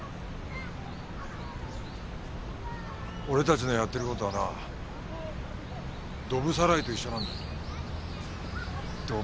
俺たちのやってる事はなドブさらいと一緒なんだ。